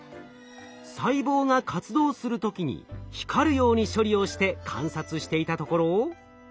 細胞が活動する時に光るように処理をして観察していたところ。